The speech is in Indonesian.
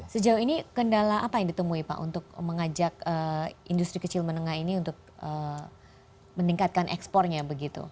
sejauh ini kendala apa yang ditemui pak untuk mengajak industri kecil menengah ini untuk meningkatkan ekspornya begitu